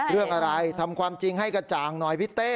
เรื่องอะไรทำความจริงให้กระจ่างหน่อยพี่เต้